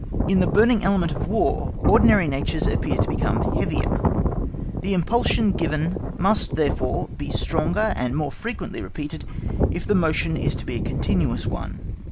In the burning element of War, ordinary natures appear to become heavier; the impulsion given must therefore be stronger and more frequently repeated if the motion is to be a continuous one.